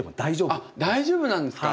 あっ大丈夫なんですか。